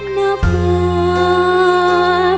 นับข้า